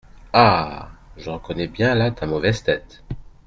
Ah ! je reconnais bien là ta mauvaise tête !